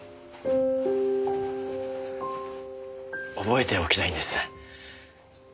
覚えておきたいんです。